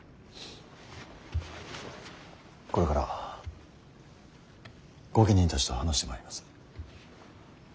これから御家人たちと話してまいります。